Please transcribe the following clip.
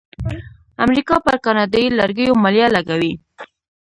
امریکا پر کاناډایی لرګیو مالیه لګوي.